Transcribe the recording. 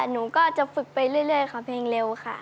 หนูก็จะฝึกไปเรื่อยค่ะเพลงเร็วค่ะ